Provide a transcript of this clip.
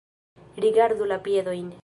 Rigardu la piedojn